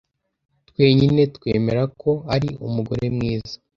Twenyine twemera ko ari umugore mwiza.